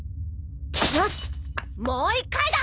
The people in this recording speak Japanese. よしもう一回だ！